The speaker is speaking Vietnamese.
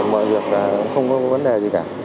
mọi việc cũng không có vấn đề gì cả